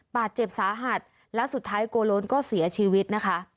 บาดเจ็บสาหัสแล้วสุดท้ายโกโลนก็เสียชีวิตนะคะ